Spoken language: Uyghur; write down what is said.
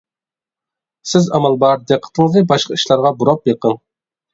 سىز ئامال بار دىققىتىڭىزنى باشقا ئىشلارغا بۇراپ بېقىڭ.